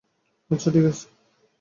আচ্ছা, ঠিক আছে।